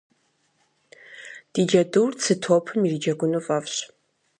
Ди джэдур цы топым ириджэгуну фӏэфӏщ.